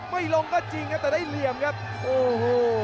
ไม่ลงก็จริงครับแต่ได้เหลี่ยมครับโอ้โห